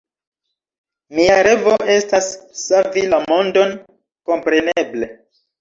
Mia revo estas savi la mondon, kompreneble!